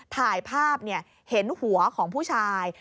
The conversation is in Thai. ถ่ายภาพเห็นหัวของผู้ชาย